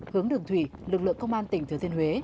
hướng đường thủy lực lượng công an tỉnh thừa thiên huế